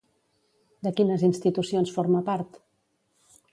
De quines institucions forma part?